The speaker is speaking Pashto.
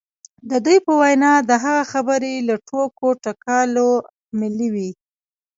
د دوی په وینا د هغه خبرې له ټوکو ټکالو ملې وې